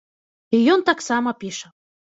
І ён таксама піша.